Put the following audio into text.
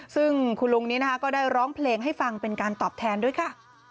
ซึ่งคุณลุงนี้นะคะก็ได้ร้องเพลงให้ฟังเป็นการตอบแทนด้วยค่ะ